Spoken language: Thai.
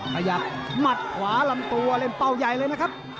ขยับหมัดขวาลำตัวเล่นเป้าใหญ่เลยนะครับ